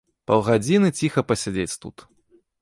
Паўгадзіны ціха пасядзець тут.